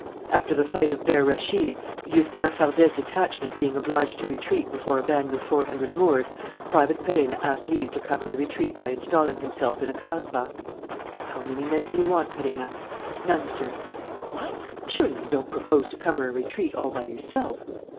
After the fight of Ber Réchid, Lieutenant Fardet's detachment being obliged to retreat before a band of four hundred Moors, Private Perenna asked leave to cover the retreat by installing himself in a kasbah. "How many men do you want, Perenna?" "None, sir." "What! Surely you don't propose to cover a retreat all by yourself?"